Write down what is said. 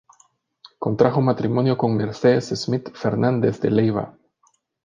Contrajo matrimonio con Mercedes Smith Fernández de Leiva.